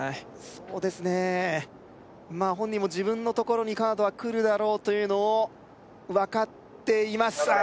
あ本人も自分のところにカードは来るだろうというのを分かっていますああ